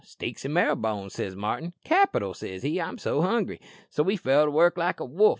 "'Steaks an' marrow bones,' says Martin." "'Capital!' says he. 'I'm so hungry.'" "So he fell to work like a wolf.